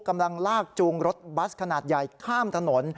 กำลังลากจูงรถบัสขนาดใหญ่ข้ามถนน